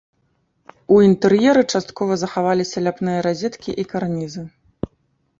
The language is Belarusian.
У інтэр'еры часткова захаваліся ляпныя разеткі і карнізы.